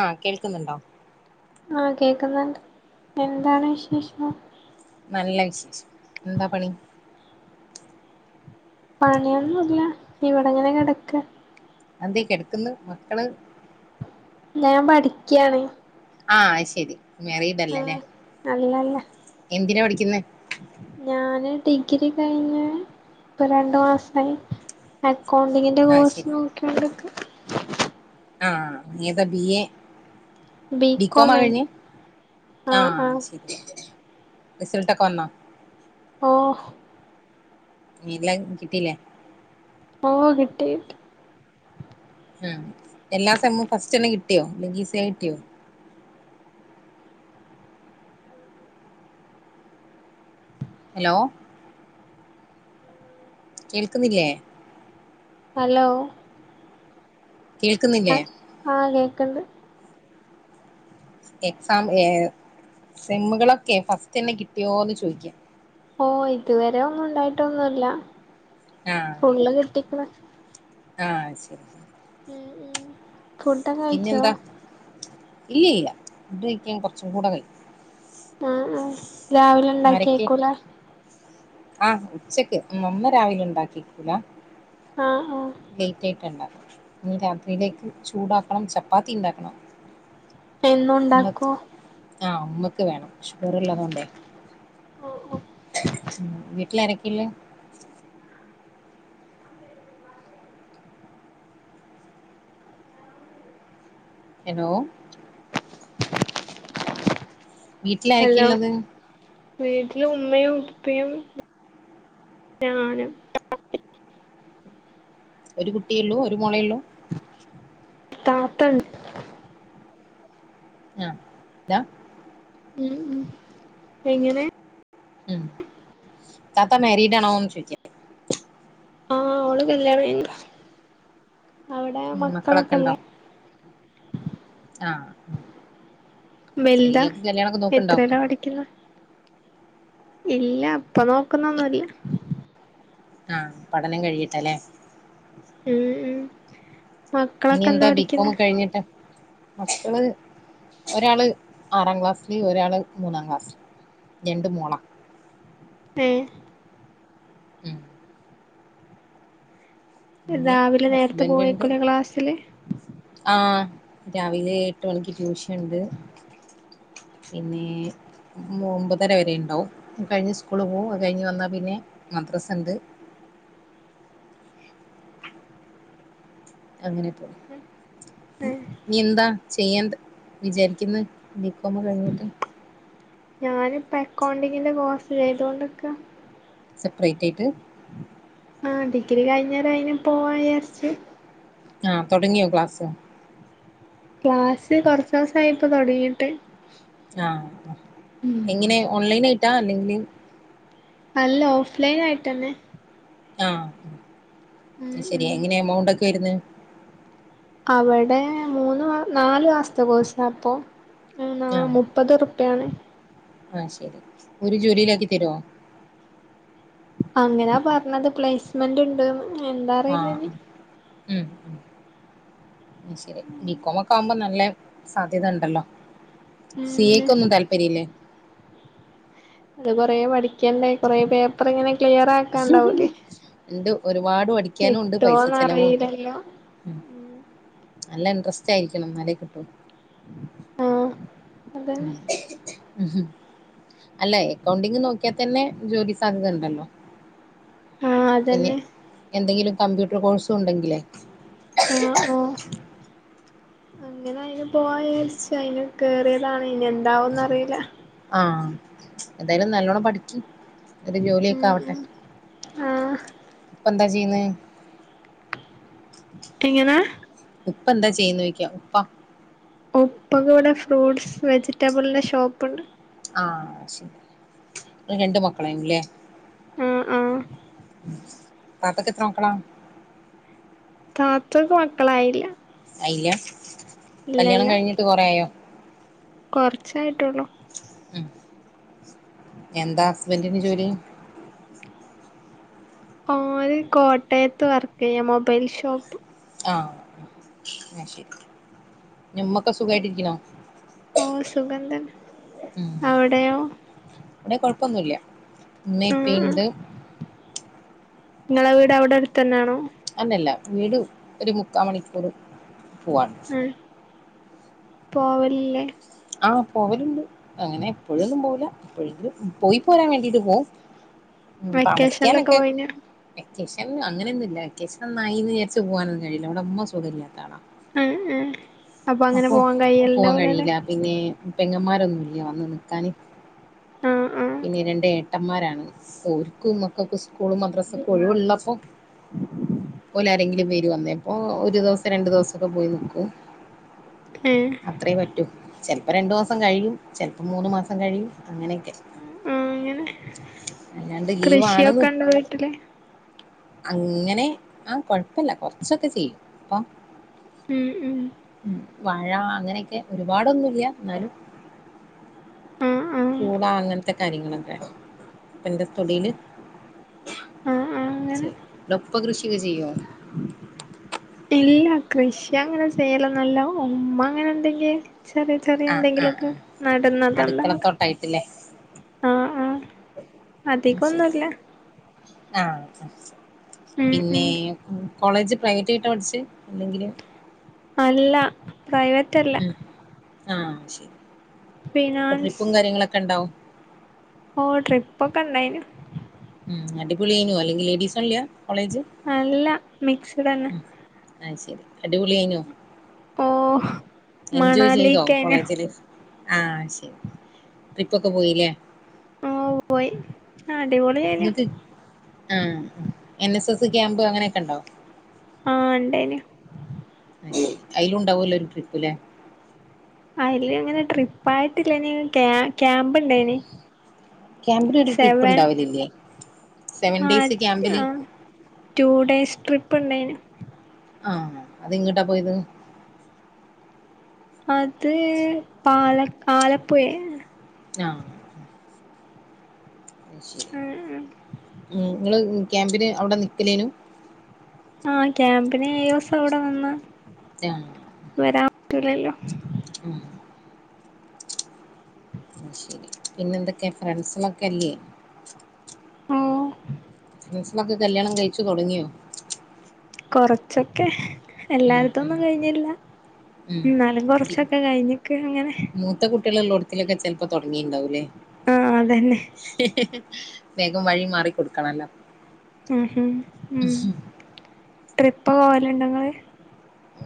ആഹ കേൾക്കുന്നുണ്ടോ ആഹ കേക്കുന്നുണ്ട് എന്താണ് വിശേഷം നല്ല വിശേഷം എന്താ പണി പണിയൊന്നുംല്ല ഇവിടെങ്ങനെ കിടക്ക് അന്ത കെടക്കന്ന് മക്കള് ഞാൻ പഠിക്കയാണ് ആഹ ശരി മെറീഡല്ലല്ലേ അല്ലല്ല എന്തിന പഠി പിന്നെ ഞാന് ഡിഗ്രി കഴിഞ്ഞ ഇപ്പ രണ്ടു മാസമായി അക്കൗണ്ടിങ്ങിൻ്റെ ആഹ് കോഴ്സ് ശരി നോക്കിണ്ടക്കെ [unintelligible] ആഹ താ ബി എ ബികോമാ ആ ബികോമേ കഴിഞ്ഞു ആഹ് ആഹ ആഹ് ശരി റിസൽട്ട കൊന്ന ഓഹ് [unintelligible] കിട്ടീല്ലേ ഓ കിട്ടി ആ എല്ലാ സമവും ഫസ്റ്റ് തന്നെ കിട്ടിയോ ലെങ്കീസ കിട്ടിയോ? ഹലോ കേൾക്കുന്നില്ലേ ഹലോ കേൾക്കുന്നില്ലേ ആഹ് കേക്ക്ണ്ട് എക്സാം ഏഹ് സിമ്മുകളൊക്കെ ഫസ്റ്റന്നെ കിട്ട്യോന്ന് ചോയ്ക്ക ഓഹ് ഇതുവരെ ഒന്നുണ്ടായിട്ടൊന്നുല്ല ആഹ് ഫുള്ള് കിട്ടിക്ക്ണ് ആഹ് ശരി ഉം ഉം ഫുഡൊക്കെ കഴിച്ചോ? പിന്നെന്താ ഇല്ല ഇല്ല ഫുഡ് കഴിക്കാൻ കൊറച്ചും കൂടെ കഴിയും ആഹ് ആഹ് രാവിലെ ഉണ്ടാക്കേക്കൂലെ ആഹ് ഉച്ചക്ക് നന്ന രാവിലെ ഉണ്ടാക്കി വെക്കൂല ആഹ് ആഹ് ലൈറ്റായിട്ടാ ണ്ടാക്ക ഇ രാത്രിയിലേക്ക് ചൂടാക്കണം ചപ്പാത്തി ഇണ്ടാക്കണം എന്നും ഉണ്ടാക്കോ? ആഹ് അമ്മക്ക് വേണം ഷുഗറ് ഉള്ളത് കൊണ്ടേ ട്ടില് ആരൊക്കെള്ളെ ഹലോ വീട്ടിൽ ആരൊക്കെ ഇള്ളത് ല് ഉമ്മയും ഉപ്പയും ഞാനും ഒരു കുട്ടിയൊള്ളു ഒരു മോളെയൊള്ളു താത്തണ്ട് [unintelligible] ഉം ഉം എങ്ങനെ ഉം താത്ത മാരീഡ് ആണോന്ന് ചോയ്ക്ക ആഹ് ഓള് കല്യാണം കഴിഞ്ഞു അവിടെ ഉം മക്കളൊക്കെ ഉണ്ടോ മക്കളൊക്കെല്ലേ ആ ഉം. ശരി വെൽതാ ഇയാൾക്ക് കല്യാണൊക്കെ നോക്കുന്നുണ്ടോ എത്രേലാ പടിക്കുന്നെ ഇല്ല ഇപ്പൊ നോക്കുന്നോന്നുല്ല ആഹ് പഠനം കഴിയട്ടെലേ ഉം ഉം ഇനി മക്കളൊക്കെ എന്താ ബികോം പഠിക്കുന്നെ കഴിഞ്ഞിട്ട് മക്കള് ഒരാള് ആറാം ക്ലാസില് ഒരാള് മൂന്നാം ക്ലാസ്സില് രണ്ടും മോളാ ഏഹ് ഉം പിന്നെ രാവിലെ നേരത്തെ ഹസ്ബൻഡ് ഇണ്ട് പോവൈക്കുലെ ക്ലാസ്സില് ആഹ് രാവിലെ എട്ട് മണിക്ക് ട്യൂഷൻ ഇണ്ട് പിന്നെ ഒമ്പതര വരെ ഇണ്ടാവും അത് കഴിഞ്ഞ് സ്കൂളിൽ പോകും അത് കഴിഞ്ഞ് വന്നാ പിന്നെ മദ്രാസണ്ട് അങ്ങനെ പോവും ഏഹ് ഇനി എന്താ ചെയ്യാണ്ട് വിചാരിക്കുന്നു ഡികോം ഒക്കെ കഴിഞ്ഞിട്ട് ഞാനിപ്പ അക്കൗണ്ടിങ്ങിന്റെ കോഴ്സ് ചെയ്തോണ്ടിരിക്ക സപ്രേറ്റ് ആയിട്ട് ആ ഡിഗ്രി കഴിഞ്ഞേരം അയിന് പോവാ വിജാരിച്ച് ആ തുടങ്ങിയോ ക്ലാസ് ക്ലാസ് കൊറച്ചോസായി ഇപ്പൊ തൊടങ്ങീട്ട് ആ എങ്ങനെ ഓൺലൈൻ ആയി ഇട്ടാ അല്ലെങ്കില് അല്ല ഓഫ്ലൈൻ ആയിട്ടന്നെ ആ ഉം ശരിയാ ഉം എങ്ങനെ എമൗണ്ട് ഒക്കെ വരുന്നേ അവിടെ മൂന്ന് മാ നാലു മാസത്തെ കോഴസ് ആണ് ഇപ്പൊ മ് ആ മുപ്പത് ട്ട്യാണ് ആ ശരി ഓല് ജോലിയിലാക്കിതരോ അങ്ങനാ പറഞ്ഞത് പ്ലേസ് ഹസ്മെന്റ് ഉണ്ട്ന്ന് ആ മ് അത്ശരി ബികോമൊക്കെവുമ്പോ നല്ല സാധ്യത ണ്ടല്ലോ സി ഉം എക്കൊന്നും താല്പര്യമല്ലേ അത് കൊറേ പടി കൊറെേ പേപ്പർ ഇങ്ങനെ ക്ലിയർ ആക്കാണ്ടാവൂലേ ഉണ്ട് ഒരുപാട് പഠിക്കാനും ഉണ്ട് പൈസ കിട്ടോന്ന് ചെലവും ഉണ്ട് അറിയില്ലല്ലോ ഉം നല്ല ഇൻട്രസ്റ്റ് ആയിരിക്കണം ന്നാലേ കിട്ടും ആഹ് അതന്നെ മം അല്ല അക്കൗണ്ടിങ് നോക്കിയാൽ തന്നെ ജോലി സാധ്യത ഉണ്ടല്ലോ ആഹ് പിന്നെ അതന്നെ എന്തെങ്കിലും കമ്പ്യൂട്ടർ കോഴ്സും ഉണ്ടെങ്കിലേ ആ ആ അങ്ങനെ അയിന് പോവാ വിരിച്ച അയിന് കേയറിയതാണ് ഇനി എന്താവുംന്ന് അറിയില്ല ആഎന്തായാലും നല്ലോണ്ണം പഠിക്കി ഒരു ജോലിയൊക്കെ ആവട്ടെ ആ ഇപ്പൊ എന്താ ചെയ്യുന്ന എങ്ങനാ ഇപ്പ എന്താ ചെയ്യുന്നു ചോിക്ക ഉപ്പാ ഒപ്പക ഇവിടെ ഫ്രൂട്ട്സ് വെജിറ്റബിളിന്റെ ഷോപ്പുണ്ട് ആ ശരി ങ്ങക്ക് രണ്ട് മക്കളായിനുല്ലേ ആഹ് ആഹ് താത്തക്ക് എത്ര മക്കളാ താത്തക്ക് മക്കളായില്ല ആയില്ല കല്യാണം കഴിഞ്ഞിട്ട് കുറെയായോ കൊറച്ചായിട്ടള്ളൂ എന്താ ഹസ്ബൻറിന് ജോലി അവര് കോട്ടയത്ത് വർക്ക് ചെയ്യാ മൊബൈൽ ഷോപ്പ് ആഹ ആ ശരി ഉമ്മക്കെ സുഖമായിട്ടിരിക്കണോ ഓ സുഖംതന്നെ അവിടെയോ കൊഴപ്പൊന്നൂല്യ ഉം ഉം ഉമ്മെഉപ്പീണ്ട് ഇങ്ങളെ വീട് അവിടെ അടുത്തന്നെണോ അന്നല്ല വീട് ഒരു മുക്കാ മണിക്കൂറും പോൺ [unintelligible] പോവല്ലേ ആഹ് പോവലുണ്ട് അങ്ങനെ എപ്പോഴൊന്നും പോവില്ല എപ്പോഴും പോയി പോരാൻ വേണ്ടിട്ട് പോകും. വെക്കേഷനിലൊക്കെ പോയിന് വേക്കശൻ അങ്ങനൊന്നുമല്ല വേക്കശൻ നായിന്ന് വെച്ച് പോകാനൊന്നും കഴിയില്ല അവിടെമ്മ സുഖമില്ലാത്താള ഉം ഉ അപ്പൊ അങ്ങനെ പോവാൻ കയില്ല പോലെല്ലെ പെങ്ങന്മാരൊന്നും ഇല്ലെ വന്ന് നിക്കാന് ആഹ് ആഹ് പിന്നെ രണ്ട് ഏ എട്ടന്മാരാണ് സൊക്കു മക്കാക്ക് ഈസ്കൂളു മദ്രാസക്കെ ഒഴിവുള്ളപ്പോ പോലെ ആരെങ്കിലും വേരു അന്നേപ്പോ ഒരു ദിവസം രണ്ടു ദിവസംക്കെ പോയി നിക്കും ഏഹ് അത്രേ പറ്റൂ ചിലപ്പോ രണ്ടുസം കഴിയും ചിലപ്പോ മൂന്ന് മാസം കഴിയും അങ്ങനെഒക്കെ അങ്ങനെ ലീവാണെന്ന് കൃഷിഒക്കെ ഉണ്ടോ വീട്ടില് അങ്ങനെ ആ കൊഴപ്പില്ല കൊറച്ചൊക്കെ ചെയ്യും അപ്പൊ ഉം ഉം ഉം വഴ അങ്ങനെക്കെ ഒരുപാടൊന്നുംല്ല എന്നാലും ആഹ് ആഹ് കൂടാ അങ്ങനത്തെ കാര്യങ്ങളൊക്കെ എന്റെ തൊടില് ആഹ് ആഹ് അങ്ങനെ ചെയ്യും ഡോപ്പ കൃഷിഒക്കെ ചെയ്യുവോ ഇല്ല കൃഷി അങ്ങനെ ചെയ്യലൊന്നു ഇല്ലവു ഉമ്മ അങ്ങനെ എന്തെങ്കിഒക്കെ ചെറിയ ചെറിയ ആഹ് ആഹ് എന്തെങ്കിലൊക്കെ ആഹ് നടുന്നതല്ലാതെ അടുക്കളത്തോട്ടായിട്ടില്ലേ ആഹ് ആഹ് ഉം അതിക്കൊ ഒന്നും ശരി ഇല്ല ആഹ് പിന്നെ ഉം കോളേജ് പ്രൈവറ്റി വിട്ടാ പഠിച്ചേ അല്ലെങ്കില് അല്ല പ്രൈവത്തല്ല ആഹ ശരി ഇപ്പൊ ട്രിപ്പും കാര്യങ്ങളൊക്കെ ഉണ്ടാവും ഓ ട്രിപ്പ ഒക്കെ ഉണ്ടായിന് അടിപളിയിനോ അെങ്കിൽ ലേഡീസല്ലോ അല്ല മിക്സ് തന്നെ ആഹ് ശരി അടിപൊളി കഴിഞ്ഞോ ഓ മണാലിിക്കയിന ആഹ ശരി ട്രിപ്പൊക്കെ പോയില്ലേ ആഓ വയ് നിക്ക് ആഹ എന്ന ക്യാമ്പ് അങ്ങനെയൊക്കെ ഉണ്ടോ ണ്ടേനു അലുണ്ടാവൂല്ലോ ഒരു ട്രിപ്പ്ല്ലേ അയില് അങ്ങനെ ട്രിപ്പായിട്ടില്ല ഇനി ക്യാമ്പാ ഇണ്ടായിനി ക്യാമ്പിലൊരു ട്രിപ്പ് ഉണ്ടാവലില്ലേ സെവൻ ആ ഡേയ്സ് ക്യാമ്പില് റ്റൂ ഡേയ്സ് ട്രി പണ്ടൈന് ആഹ് അത് ഇങ്ങട്ടാ പോയത് അത് പാല ആലപ്പുഴെ ആഹ് ശ ഉം ഉം ഉം നിങ്ങള് ക്യാമ്പിന് അവിടെ നിൽക്കലേനു ആഹ് ക്യാമ്പിനന് ഏഴൂസം അവിടെ നിന്ന് ആ പോരാൻ പറ്റൂലല്ലോ ഉം ശരി പിന്നെന്തൊക്കാ ഫ്രണ്ട്സ്കളൊക്കെല്ലേ ഉം ഫ്രൻസളൊക്കെ കല്യാണം കഴിച്ചു തുടങ്ങിയോ കൊറച്ചൊക്കെ ഉം ഉം എല്ലാർതൊന്നും കഴിഞ്ഞില്ല ഉം എന്നാലും ദി കൊറച്ചൊക്കെ കഴിഞ്ഞിക്ക് അങ്ങനെ അത്തിലൊക്കെ ചിലപ്പോൾ തൊടങ്ങീണ്ടാവുല്ലേ ആ അതന്നെ വേഗം വഴി മാറി കൊടുക്കണല്ലോ ഉം ഉം ട്രിപ്പ് പോവലുണ്ടോങള്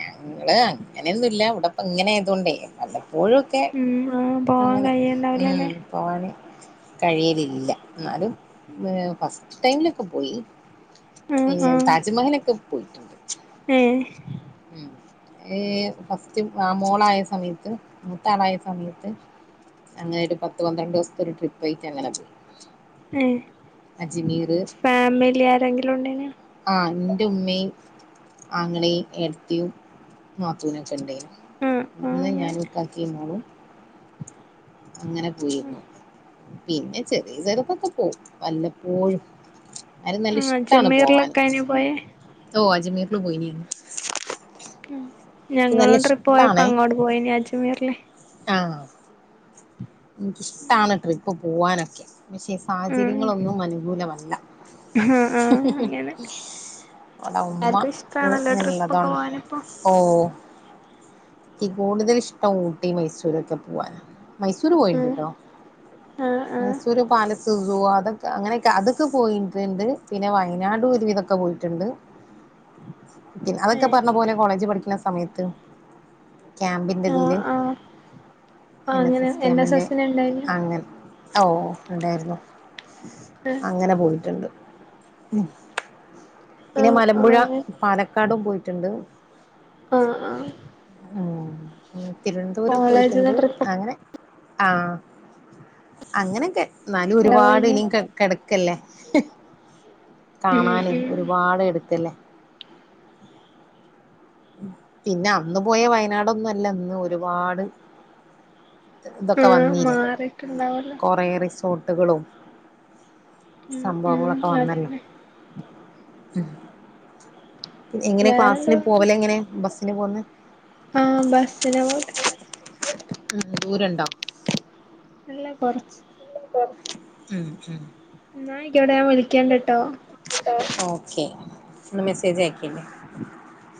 ഞങ്ങള് അങ്ങനെയൊന്നുല്ല ഇവിടപ്പ ഇങ്ങനെ ആയതൊണ്ടേ പോഴുംക്കെ ഉം ആ പോവാൻ അങ്ങനെ ഉം കഴിയുണ്ടാവൂലല്ലേ പോവാന് കഴിയലില്ല എന്നാലും മ് ഫസ് ടൈംമിലൊക്കെ പോയി ആ പിന്നെ ആ താജ്മഹലൊക്കെ പോയി ട്ടുണ്ട് ഏ ഉം ഫസ്റ്റ് ആ മോളായ സമയത്ത് മൂത്താ ആളായ സമയത്ത് അങ്ങനെ ഒരു പത്ത് പന്ത്രണ്ട് ദിവസത്തെ ഒരു ട്രിപ്പ് ആയിട്ട് അങ്ങനെ പോയി ഏ അജ്മീര് ഫാമിലി ആരെങ്കിലും ഉണ്ടേനോ ആഹ് ൻ്റെ ഉമ്മേം ആങ്ങളേം ഏടത്തിയും നാത്തൂനൊക്കെ ണ്ടായിനി ആ ആ ഇന്ന് അങ്ങനെ ഞാനും ഇക്കാക്കിം മോളും അങ്ങനെ പോയിരുന്നു പിന്നെ ചെറിയ [unintelligible] പോവും വല്ലപ്പോഴും അയ്‌ന് നല്ല ആ ഇഷ്ടണ് പോവാന് അജ്മീറിലൊക്കെ അയിന് പോയേ ഓ അജ്മീറില് പോയിനി ഉം നല്ല ഞങ്ങളും ട്രിപ്പ് പോയപ്പോ അങ്ങോട്ട് പോയനി അജ്മീറ്ലെ ആ എനിക്കിഷ്ടാണ് ട്രിപ്പ് പോവാനൊക്കെ പക്ഷെ ഉം സാഹചര്യങ്ങളൊന്നും അനുകൂലമല്ല ആ ആ അങ്ങനെ ഇവിടെ ഉമ്മ എല്ലാർക്കും ഇഷ്ടാണല്ലോ ട്രിപ്പൊക്കെ ഇങ്ങനെുള്ളതോണ്ട പോവാനിപ്പോ ഓ ഇക്ക് കൂടുതൽ ഇഷ്ടം ഊട്ടി മൈസൂരൊക്കെ പോവാൻ മയിസൂ മൈസൂര്. ഉം പോയിണ്ട്ട്ടോ ആ ആ മൈസൂര് പാലസ് സ അതൊക്കെ അങ്ങനെയൊക്കെ അതൊക്കെ പോയിട്ടുണ്ട് പിന്നെ വയനാട് ഒരു വിധക്കെ പോയിട്ടുണ്ട് ഏ അതൊക്കെ പറഞ്ഞ പോലെ കോളേജ് പഠിക്കും ണ സമയത്ത് ആ ക്യാമ്പിന്റെതില് ആ എൻ എസ് അങ്ങനെ എസ് എൻ എസ് ക്യാമ്പിന്റെ എസിന് ഉണ്ടായില്ല അങ്ങനെ ഓ ഉണ്ടായിരുന്നു ആ അങ്ങനെ പോയിട്ടുണ്ട് മ്മ് ആ പിന്നെ ആ മലമ്പുഴ അങ്ങനെ പാലക്കാടും പോയി ട്ടുണ്ട് ആ ആ തിരുവനന്തപുരം കോളേജിന്ന് പോയിട്ടുണ്ട് ട്രിപ്പ് അങ്ങനെ ആഅങ്ങനെയൊക്കെ എന്നാലും എവിടെ ഒരുപാട് പോയിന് ഇനിയുംകെ കെടക്കണ് ക്കല്ലേ ഉം കാണാന് ഉം ഒരുപാട് എടുക്കല്ലേ [inaudible] പിന്നെ അന്ന് പോയ വയനാടൊന്നും അല്ല ഇന്ന് ഒരുപാട് ഇതൊക്കെ ആഹ് വന്നില്ലേ മാറിട്ടുണ്ടാവല്ലോ കൊറെ റിസോർട്ട് ട്ടുകളും ഉം ഉം സംഭവങ്ങളൊക്കെ വന്നല്ലോ അതന്നെ ഉ എങ്ങനെ വേറെന്താ ക്ലാസ്സ്ന് പോവലെങ്ങനെ ബസ് ന് പോന്ന് ആ ബസ്സ് നാ പോണോ ഉം ദൂരണ്ടോ അല്ല കൊറച്ച് ഉം ഉം ഇന്നായിക്കോട്ടെ ഞാൻ വിളിക്കണ്ട് ട്ടോ ഓക്കെ ഒന്ന് മെസ്സേജ് അയക്കേണ്ടി